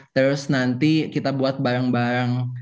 terus nanti kita buat barang barang